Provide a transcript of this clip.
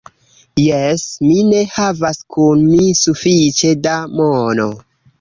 Jes; mi ne havas kun mi sufiĉe da mono.